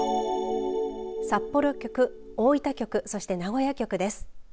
札幌局、大分局そして名古屋局です。